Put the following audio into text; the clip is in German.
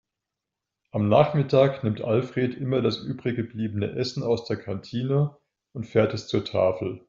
Am Nachmittag nimmt Alfred immer das übrig gebliebene Essen aus der Kantine und fährt es zur Tafel.